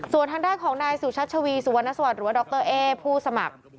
ส่วนทางด้านของนายสุชัชวีสุวรรณสวัสดิ์หรือว่าดรเอ๊ผู้สมัคร